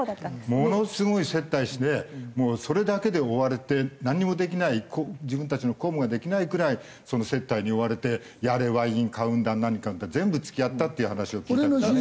ものすごい接待してもうそれだけで追われてなんにもできない自分たちの公務ができないくらい接待に追われてやれワイン買うんだ何買うんだ全部付き合ったっていう話を聞いたけどね。